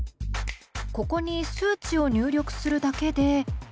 ここに数値を入力するだけで。